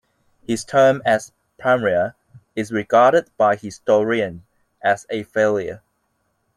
His term as premier is regarded by historians as a failure.